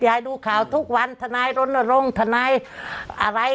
ยายดูข่าวทุกวันทนายรณรงค์ทนายอะไร